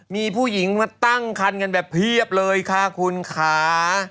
มีผู้หญิงมาตั้งคันกันแบบเพียบเลยค่ะคุณค่ะ